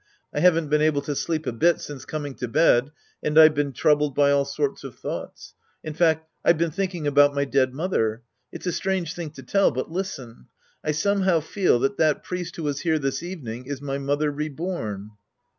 I haven't been able to sleep a bit since coming to bed, and I've been troubled by all sorts of thoughts. In fact, I've been thinking about my dead mother. It's a strange thing to tell, but listen. I somehow feel that that priest ^vho was here this evening is my mother reborn.